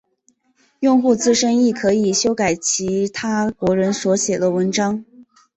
用户自身亦可以修改其他国人所写的文章。